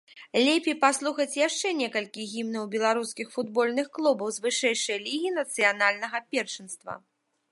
Лепей паслухаць яшчэ некалькі гімнаў беларускіх футбольных клубаў з вышэйшай лігі нацыянальнага першынства.